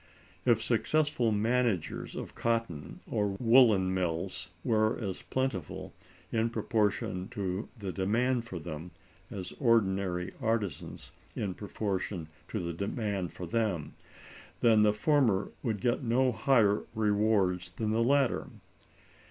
If successful managers of cotton or woolen mills were as plentiful, in proportion to the demand for them, as ordinary artisans, in proportion to the demand for them, then the former would get no higher rewards than the latter.